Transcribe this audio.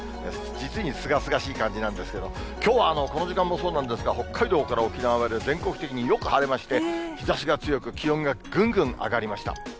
実にすがすがしい感じなんですけど、きょうはこの時間もそうなんですが、北海道から沖縄まで全国的によく晴れまして、日ざしが強く、気温がぐんぐん上がりました。